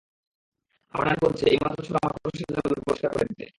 আমার নানী বলছে, এইমাত্র ছোঁড়া মাকড়সার জালগুলো পরিষ্কার করে দিতে।